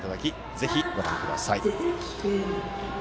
ぜひご覧ください。